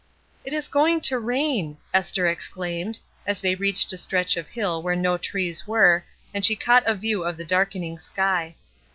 ''It is going to rain!" Esther exclaimed, as they reached a stretch of hill where no trees were, and she caught a view of the darkening sky.